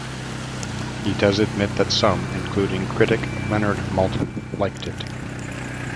He does admit that some, including critic Leonard Maltin, liked it.